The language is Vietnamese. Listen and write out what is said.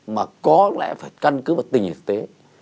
mà có lẽ phải căn cứ vào tình thực tế